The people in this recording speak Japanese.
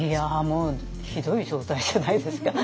もうひどい状態じゃないですか。